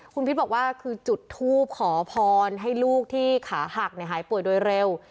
คุณพิษบอกว่าคือจุดทูปขอพรให้ลูกที่ขาหักหายป่วยโดยเร็ว